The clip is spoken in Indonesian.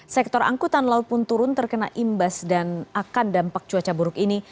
sektor angkutan laut pun turun terkena imbas dan akan dampak cuaca buruk ini